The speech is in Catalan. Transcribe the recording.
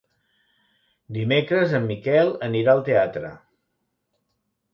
Dimecres en Miquel anirà al teatre.